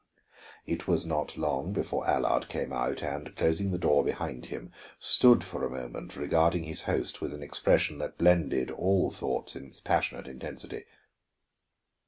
It was not long before Allard came out, and closing the door behind him, stood for a moment regarding his host with an expression that blended all thoughts in its passionate intensity.